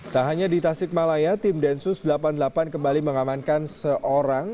tak hanya di tasikmalaya tim densus delapan puluh delapan kembali mengamankan seorang